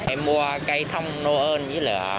em mua cây thăm noel